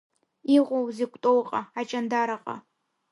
Иҟоузеи Кәтолҟа, Аҷандараҟа?